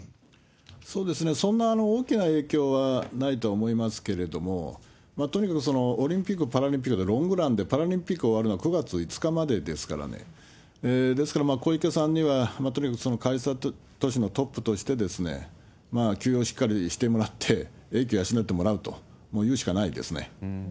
そんな大きな影響はないとは思いますけれども、とにかくオリンピック・パラリンピックってロングランでパラリンピックが終わるのは９月５日までですから、ですから、小池さんにはとにかく開催都市のトップとして、休養をしっかりしてもらって、英気を養ってもらうというしかないですね。